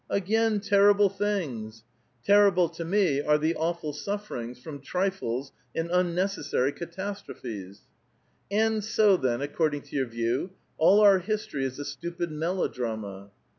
'* "Again ' terrible tbings'! Terrible to me are the awful sufferings from trifles and unnecessary catastrophes." " An J so, then, according to your view, all our history is a stupid melodrama."